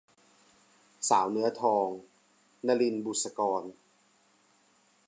สาวเนื้อทอง - นลิน บุษกร